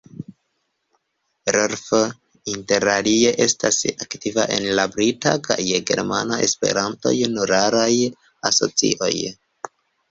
Rolf interalie estas aktiva en la brita kaj germana Esperanto-junularaj asocioj.